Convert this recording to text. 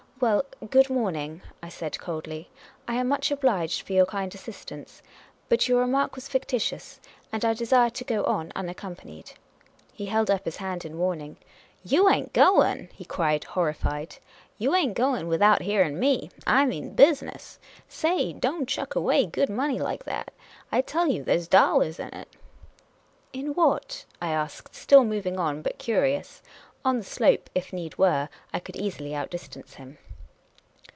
" Well, good morning," I said, coldly. " I am much obliged for your kind assistance ; but your remark was fictitious, and I desire to go on un accompanied." He held up his hand in warning. " You ain't going !" he cried, horrified. " You ain't going without hearing me ! I mean business ! Say, don't chuck away good money like that. I tell you, there 's dollars in it." " In what ?" I asked, still moving on, but curious. On the slope, if need were, I could easily distance him.